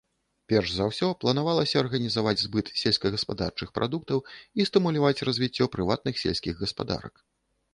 Перш за ўсё, планавалася арганізаваць збыт сельскагаспадарчых прадуктаў і стымуляваць развіццё прыватных сельскіх гаспадарак.